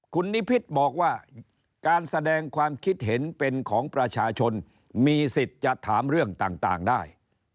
คุณนิพิษบอกว่าการแสดงความคิดเห็นเป็นของประชาชนมีสิทธิ์จะถามเรื่องต่างได้